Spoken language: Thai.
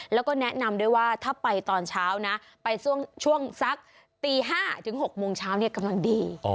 แล้วก็แนะนำด้วยว่าถ้าไปตอนเช้านะไปช่วงสักตี๕ถึง๖โมงเช้ากำลังดี